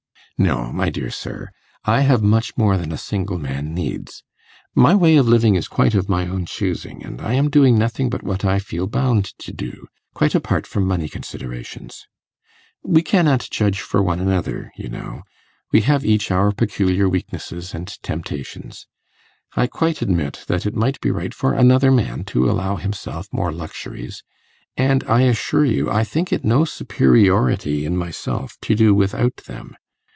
'No, my dear sir. I have much more than a single man needs. My way of living is quite of my own choosing, and I am doing nothing but what I feel bound to do, quite apart from money considerations. We cannot judge for one another, you know; we have each our peculiar weaknesses and temptations. I quite admit that it might be right for another man to allow himself more luxuries, and I assure you I think it no superiority in myself to do without them.